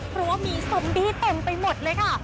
เพราะว่ามีซอมบี้เต็มไปหมดเลยค่ะ